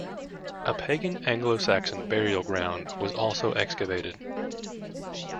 A pagan Anglo-Saxon burial ground was also excavated.